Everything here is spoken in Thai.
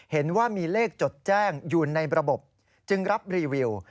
เห็นว่ามีเลขจดแจ้งอยู่ในระบบจึงรับรีวิว